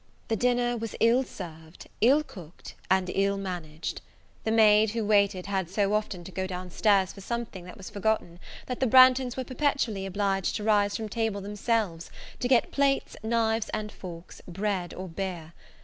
The dinner was ill served, ill cooked, and ill managed. The maid who waited had so often to go down stairs for something that was forgotten, that the Branghtons were perpetually obliged to rise from table themselves, to get plates, knives, and forks, bread or beer.